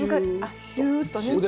シューっとね。